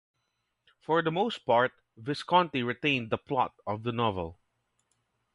For the most part, Visconti retained the plot of the novel.